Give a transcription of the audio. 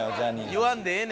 言わんでええねん！